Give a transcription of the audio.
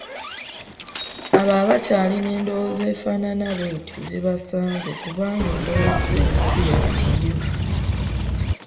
Abo abakyalina endowooza efaanana bwetyo zibasanze kubanga endowooza eyo si ya Kiyivu